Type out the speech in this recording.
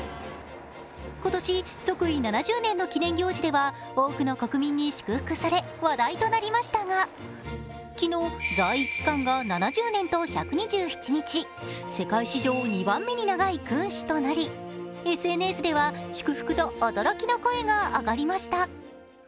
今年、即位７０年の記念行事では多くの国民に祝福され話題となりましたが、昨日、在位期間が７０年と１２７日世界史上２番目に長い君主となりＳＮＳでは祝福と驚きの声が上がりました。